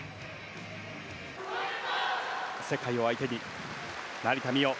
世界を相手に成田実生。